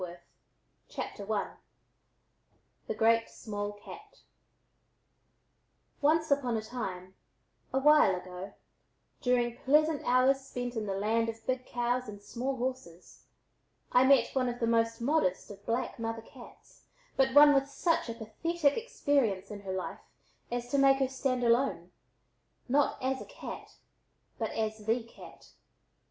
THE GREAT SMALL CAT Once upon a time, a while ago, during pleasant hours spent in the "land of big cows and small horses," I met one of the most modest of black mother cats, but one with such a pathetic experience in her life as to make her stand alone, not as a cat, but as the cat.